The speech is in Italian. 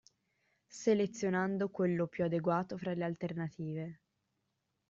Selezionando quello più adeguato fra le alternative.